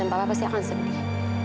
dan papa pasti akan sedih